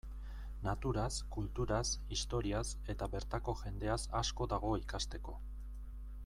Naturaz, kulturaz, historiaz, eta bertako jendeaz asko dago ikasteko.